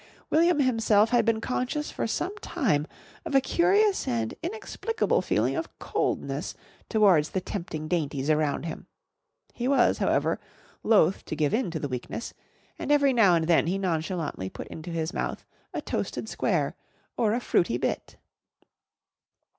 William himself had been conscious for some time of a curious and inexplicable feeling of coldness towards the tempting dainties around him. He was, however, loth to give in to the weakness, and every now and then he nonchalantly put into his mouth a Toasted Square or a Fruity Bit.